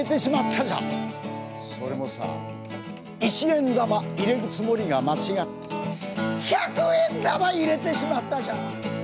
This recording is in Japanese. それもさ一円玉入れるつもりが間違って百円玉入れてしまったじゃん。